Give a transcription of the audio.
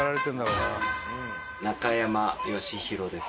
中山義浩です